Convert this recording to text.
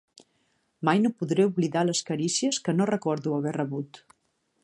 Mai no podré oblidar les carícies que no recordo haver rebut.